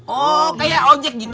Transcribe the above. oh kayak objek gitu